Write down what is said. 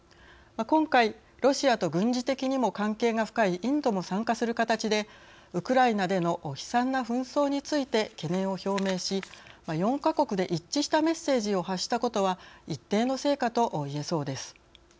今回、ロシアと軍事的にも関係が深いインドも参加する形でウクライナでの悲惨な紛争について懸念を表明し４か国で一致したメッセージを発したことは一定の成果といえそうです。